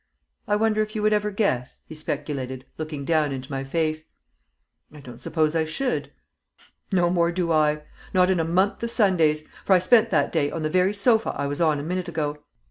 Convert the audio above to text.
"I wonder if you would ever guess?" he speculated, looking down into my face. "I don't suppose I should." "No more do I; not in a month of Sundays; for I spent that day on the very sofa I was on a minute ago!"